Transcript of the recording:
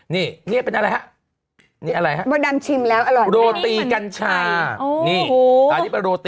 นี่นี่เป็นอะไรครับ